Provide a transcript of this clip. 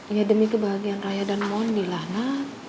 ya demi kebahagiaan raya dan mondi lah nak